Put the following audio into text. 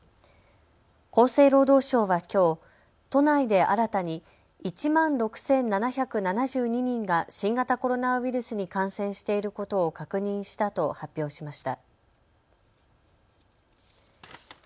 厚生労働省はきょう都内で新たに１万６７７２人が新型コロナウイルスに感染していることを確認したと発表しました。